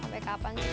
sampai kapan sih